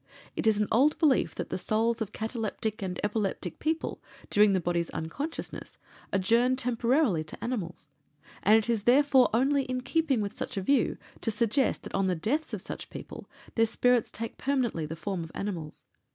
It is an old belief that the souls of cataleptic and epileptic people, during the body's unconsciousness, adjourned temporarily to animals, and it is therefore only in keeping with such a view to suggest that on the deaths of such people their spirits take permanently the form of animals.